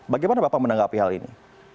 bagaimana bapak menanggapi hal ini